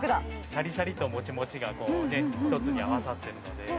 シャリシャリともちもちが１つに合わさってるので。